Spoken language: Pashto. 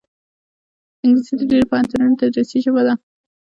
انګلیسي د ډېرو پوهنتونونو تدریسي ژبه ده